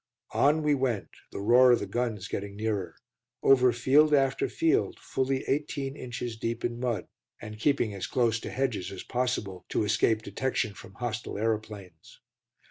On we went, the roar of the guns getting nearer: over field after field, fully eighteen inches deep in mud, and keeping as close to hedges as possible, to escape detection from hostile aeroplanes.